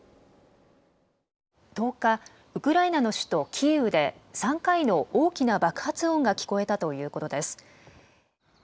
ウクライナの首都キーウで３回の大きな爆発音が聞こえたということです。